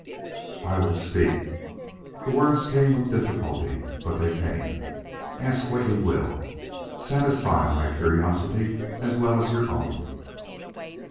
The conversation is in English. "I will speak." The words came with difficulty, but they came. "Ask what you will. Satisfy my curiosity, as well as your own."